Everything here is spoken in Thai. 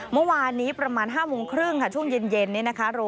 เมื่อวานนี้ประมาณ๕โมงครึ่งค่ะช่วงเย็นนี้นะคะ